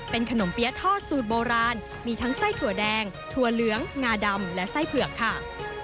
ขนมเปี๊ยะทอดสูตรโบราณมีทั้งไส้ถั่วแดงถั่วเหลืองงาดำและไส้เผือกค่ะ